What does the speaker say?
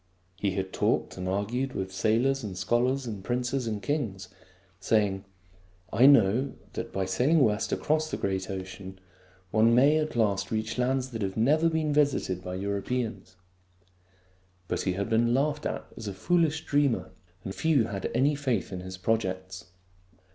He had talked and argued with 7 8 THIRTY MORE FAMOUS STORIES sailors and scholars and princes and kings, saying, " I know that, by sailing west across the great ocean, one may at last reach lands that have riever been visited by Europeans." But he had been laughed at as a foolish dreamer, and few people had any faith in his projects.